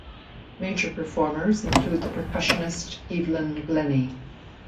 Major performers include the percussionist Evelyn Glennie.